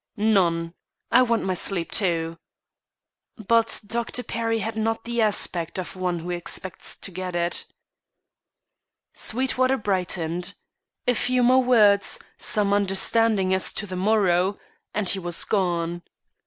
"None. I want my sleep, too." But Dr. Perry had not the aspect of one who expects to get it. Sweetwater brightened. A few more words, some understanding as to the morrow, and he was gone.